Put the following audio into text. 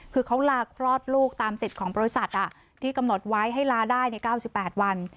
คือเขาลาคลอดลูกตามสิทธิ์ของบริษัทที่กำหนดไว้ให้ลาได้ใน๙๘วัน